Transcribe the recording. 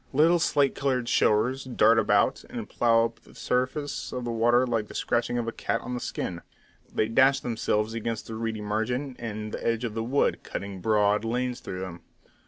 Little slate coloured showers dart about, and plough up the surface of the water like the scratching of a cat on the skin; they dash themselves against the reedy margin and the edge of the wood, cutting broad lanes through them.